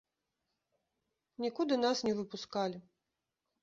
Нікуды нас не выпускалі.